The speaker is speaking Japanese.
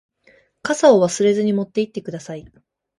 傘を忘れずに持って行ってください。